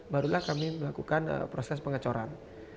barulah kami melakukan proses pengecoran